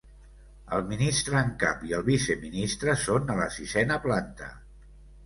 El ministre en cap i el vice-ministre, són a la sisena planta.